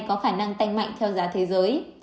có khả năng tanh mạnh theo giá thế giới